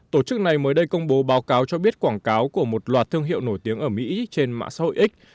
tổ chức này mới đây công bố báo cáo cho biết quảng cáo của một loạt thương hiệu nổi tiếng ở mỹ trên mạng xã hội x